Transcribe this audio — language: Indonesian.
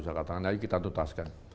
saya katakan kita tutaskan